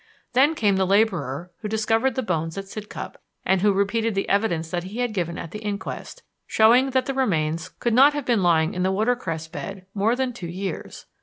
Then came the laborer who discovered the bones at Sidcup, and who repeated the evidence that he had given at the inquest, showing that the remains could not have been lying in the watercress bed more than two years.